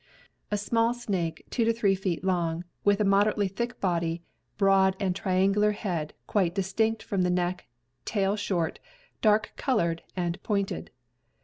A small snake, 2 to 3 ft. long, with moderately thick body, broad and triangular head quite distinct from the neck, tail short, dark colored, and pointed.